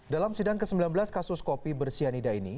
dalam sidang ke sembilan belas kasus kopi bersianida ini